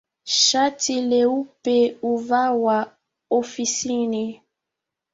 Shathi leupe huvawa hofisini